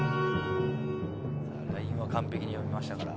ラインは完璧に読みましたから。